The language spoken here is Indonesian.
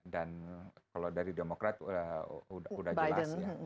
dan kalau dari demokrat udah jelas